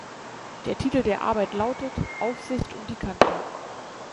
Der Titel der Arbeit lautet "Aufsicht um die Kante".